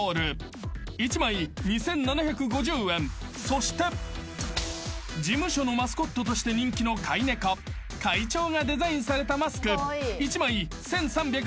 ［そして事務所のマスコットとして人気の飼い猫会長がデザインされたマスク］